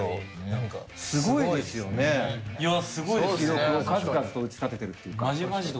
すごい記録を数々と打ち立ててるっていうか。